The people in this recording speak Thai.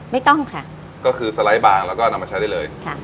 ไม่ต้องค่ะก็คือสไลด์บางแล้วก็นำมาใช้ได้เลยค่ะ